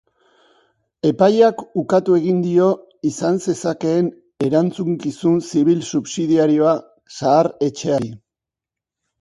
Epaiak ukatu egin dio izan zezakeen erantzukizun zibil subsidiarioa zahar-etxeari.